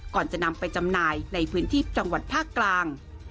ก่อนจะนำไปจำหน่ายในพื้นที่จังหวัดภาคกลาง